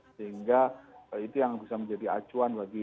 sehingga itu yang bisa menjadi acuan bagi